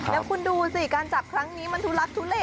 แล้วคุณดูสิการจับครั้งนี้มันทุลักทุเล